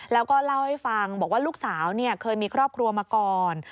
แล้วก็เล่าให้ฟังบอกว่าลูกสาวเคยมีครอบครัวมาก่อน